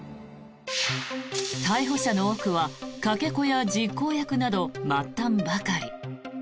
逮捕者の多くはかけ子や実行役など末端ばかり。